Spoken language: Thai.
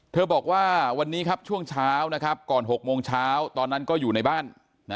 บอกว่าวันนี้ครับช่วงเช้านะครับก่อน๖โมงเช้าตอนนั้นก็อยู่ในบ้าน